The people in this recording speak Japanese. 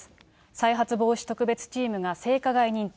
再発防止特別チームが性加害認定。